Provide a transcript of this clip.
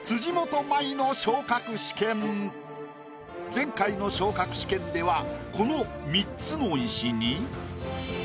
前回の昇格試験ではこの３つの石に。